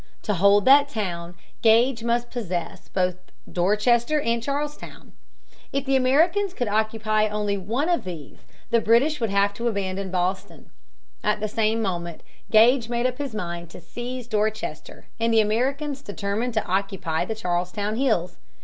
To hold that town, Gage must possess both Dorchester and Charlestown. If the Americans could occupy only one of these, the British would have to abandon Boston. At almost the same moment Gage made up his mind to seize Dorchester, and the Americans determined to occupy the Charlestown hills.